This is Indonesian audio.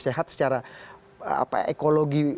sehat secara ekologi